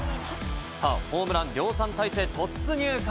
ホームラン量産体制突入か？